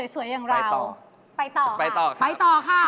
สวยอย่างเราไปต่อค่ะค่ะ